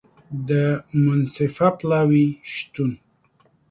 د منصفه پلاوي شتون